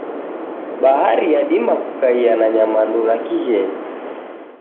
Bahari yadima kukaia na nyamandu ra kighenyi.